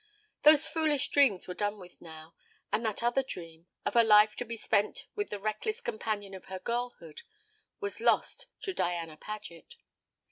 Those foolish dreams were done with now; and that other dream, of a life to be spent with the reckless companion of her girlhood, was lost to Diana Paget.